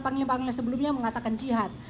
panglima sebelumnya mengatakan jihad